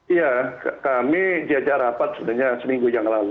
iya kami jajar rapat sebenarnya seminggu yang lalu